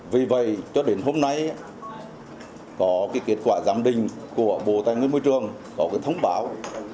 vì vậy cho đến hôm nay có cái kết quả giảm đình của bộ tài nguyên môi trường có cái thông báo